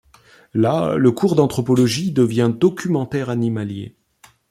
Là, le cours d’anthropologie devient documentaire animalier.